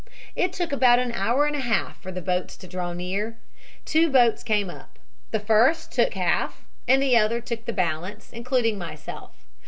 "It took about an hour and a half for the boats to draw near. Two boats came up. The first took half and the other took the balance, including myself.